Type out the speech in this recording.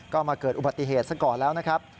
ก็มาเกิดอุบัติเหตุซะก่อนแล้วนะครับ